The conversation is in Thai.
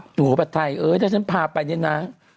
หนูผัดไทยเอ้ยถ้าฉันพาไปเนี่ยนะ